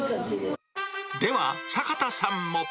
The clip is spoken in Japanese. では、坂田さんも。